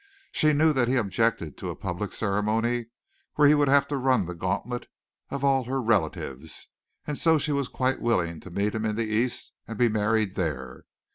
She knew that he objected to a public ceremony where he would have to run the gauntlet of all her relatives, and so she was quite willing to meet him in the East and be married there.